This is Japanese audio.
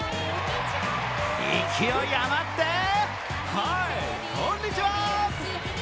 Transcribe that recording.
勢い余って、はい、こんにちは。